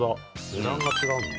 値段が違うんだ。